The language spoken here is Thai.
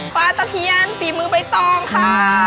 ปลาตะเพียนปีมือใบตองค่ะ